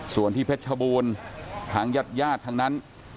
ส่วนที่เพชรชบูรณ์ทางญาติญาติทั้งนั้น